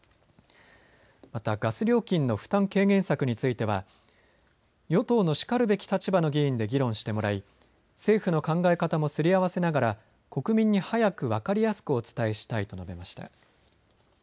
またガス料金の負担軽減策については与党のしかるべき立場の議員で議論してもらい、政府の考え方もすり合わせながら国民に早く分かりやすくお伝えしたいと述べました。